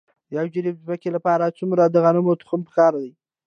د یو جریب ځمکې لپاره څومره د غنمو تخم پکار دی؟